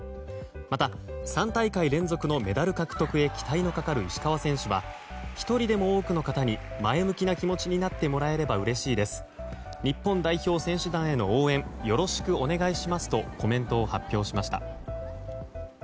また３大会連続のメダル獲得へ期待のかかる石川選手は１人でも多くの方に前向きな気持ちになってもらえればうれしいです日本代表選手団への応援よろしくお願いしますとコメントを発表しました。